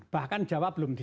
bahkan jawa belum disitu